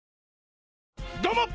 どうもっ！